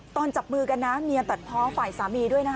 ตอนจับมือกันนะเมียตัดเพาะฝ่ายสามีด้วยนะ